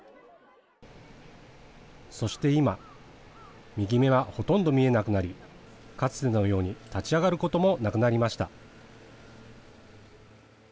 そして今、右目はほとんど見えなくなり、かつてのように立ち上がることもなくなりました。